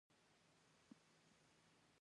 غزني د افغانستان د سیلګرۍ برخه ده.